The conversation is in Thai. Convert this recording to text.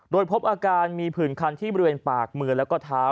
โดยพบอาการมีผื่นคันที่บริเวณปากมือแล้วก็เท้า